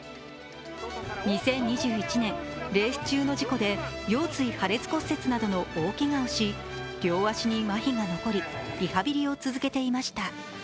２０２１年、レース中の事故で腰椎破裂骨折などの大けがをし両足にまひが残り、リハビリを続けていました。